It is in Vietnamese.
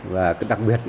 và đặc biệt